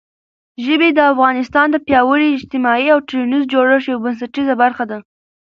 ژبې د افغانستان د پیاوړي اجتماعي او ټولنیز جوړښت یوه بنسټیزه برخه ده.